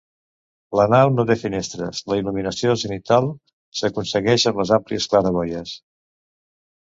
La nau no té finestres: la il·luminació zenital s'aconsegueix amb les àmplies claraboies.